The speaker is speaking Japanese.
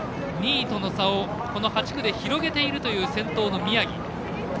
２位との差をこの８区で広げているという先頭の宮城。